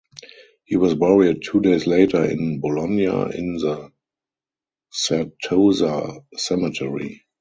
He was buried two days later in Bologna in the Certosa cemetery.